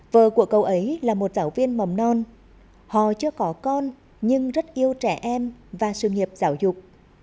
vợ của cậu ấy là một giáo viên mầm non họ chưa có con nhưng rất yêu trẻ em và sự nghiệp giáo dục